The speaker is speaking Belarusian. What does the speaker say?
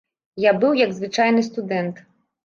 Я быў як звычайны студэнт.